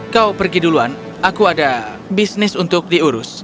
kau pergi duluan aku ada bisnis untuk diurus